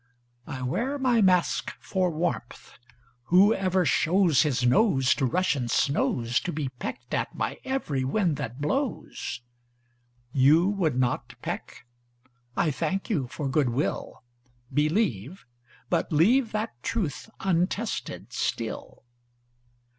I wear my mask for warmth: who ever shows His nose to Russian snows To be pecked at by every wind that blows? You would not peck? I thank you for good will, Believe, but leave that truth untested still.